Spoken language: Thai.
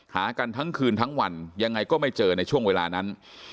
หากันทั้งคืนทั้งวันยังไงก็ไม่เจอในช่วงเวลานั้น